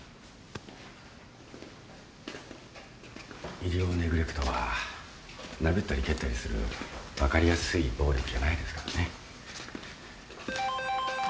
医療ネグレクトは殴ったり蹴ったりする分かりやすい暴力じゃないですからね。